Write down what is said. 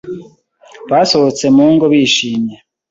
Basohotse mu ngo bishimye